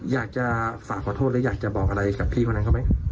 อยากจะฝากขอโทษและอยากจะบอกอะไรกับพี่คนนั้นเขาไหม